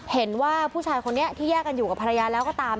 เห็นว่าผู้ชายคนนี้ที่แยกกันอยู่กับภรรยาแล้วก็ตาม